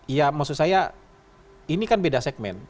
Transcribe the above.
ya maksud saya ini kan beda segmen